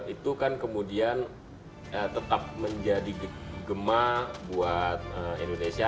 itu kan kemudian tetap menjadi gemah buat indonesia